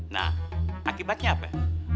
nah akibatnya apa ya